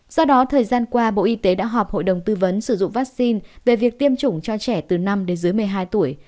do đó thời gian qua bộ y tế đã họp hội đồng tư vấn sử dụng vaccine về việc tiêm chủng cho trẻ từ năm đến dưới một mươi hai tuổi